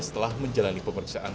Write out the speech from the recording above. setelah menjalani pemeriksaan